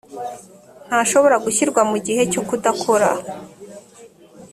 ntashobora gushyirwa mu gihe cyo kudakora